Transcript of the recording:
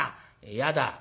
「嫌だ」。